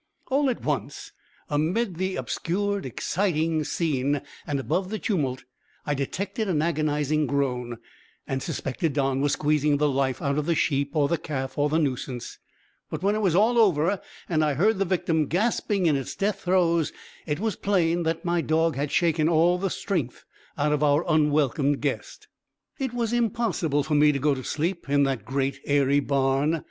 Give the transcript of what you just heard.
All at once, amid the obscured exciting scene and above the tumult, I detected an agonizing groan, and suspected Don was squeezing the life out of the sheep or the calf or the nuisance; but when it was all over and I heard the victim gasping in its death throes, it was plain that my dog had shaken all the strength out of our unwelcomed guest. It was impossible for me to go asleep in that great, airy barn.